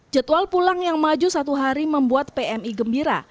jadwal pulang yang maju satu hari membuat pmi gembira